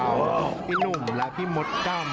ในวันนี้ก็เป็นการประเดิมถ่ายเพลงแรก